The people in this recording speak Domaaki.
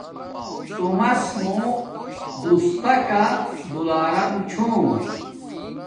تومس مو دوس تکا دولارم چھوم